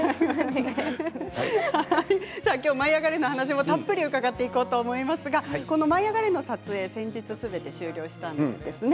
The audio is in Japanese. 「舞いあがれ！」の話もたっぷり伺っていこうと思いますが「舞いあがれ！」の撮影は先日すべて終了したんですよね。